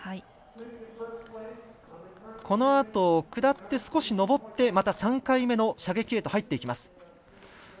このあと、下って少し上ってまた３回目の射撃へと入っていきます。